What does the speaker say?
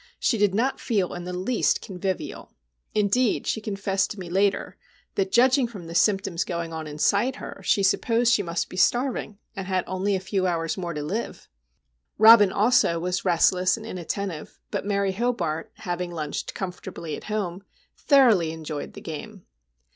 She did not feel in the least convivial. Indeed, she confessed to me later, that, judging from the symptoms going on inside her, she supposed she must be starving, and had only a few hours more to live. Robin also was restless and inattentive; but Mary Hobart, having lunched comfortably at home, thoroughly enjoyed the game.